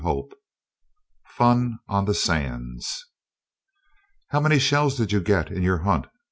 CHAPTER IX FUN ON THE SANDS "How many shells did you get in your hunt?"